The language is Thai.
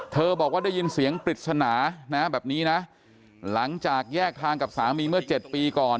เธอบอกว่าได้ยินเสียงปริศนาหลังจากแยกทางกับสามีเมื่อ๗ปีก่อน